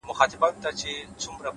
بریا له کوچنیو عادتونو جوړیږي’